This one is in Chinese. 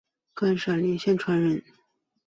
甘肃灵川县人。